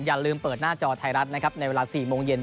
อย่าลืมเปิดหน้าจอไทยรัฐนะครับในเวลา๔โมงเย็น